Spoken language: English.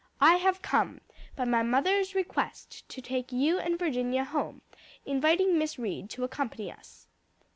"I have come, by my mother's request, to take you and Virginia home, inviting Miss Reed to accompany us."